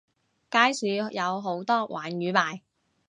街市有好多鯇魚賣